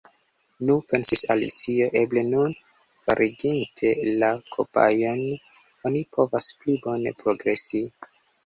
"Nu," pensis Alicio, "eble nun, foriginte la kobajojn, oni povos pli bone progresi."